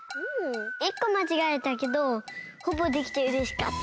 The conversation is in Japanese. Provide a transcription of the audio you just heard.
１こまちがえたけどほぼできてうれしかった。